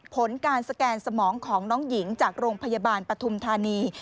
ผลการสแกนสมองของน้องหญิงจากโรงพยาบาลปฐุมธานี